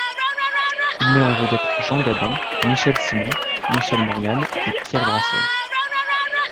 Il met en vedette Jean Gabin, Michel Simon, Michèle Morgan et Pierre Brasseur.